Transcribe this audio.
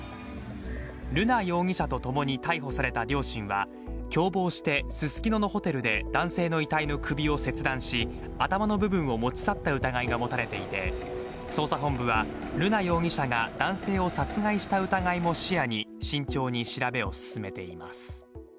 瑠奈容疑者と共に逮捕された両親は共謀してススキノのホテルで男性の遺体の首を切断し頭の部分を持ち去った疑いが持たれていて捜査本部は瑠奈容疑者が男性を殺害した疑いも視野に慎重に調べを進めています。